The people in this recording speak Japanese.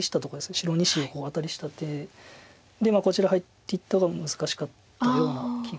白２子をアタリした手でこちら入っていった方が難しかったような気がします。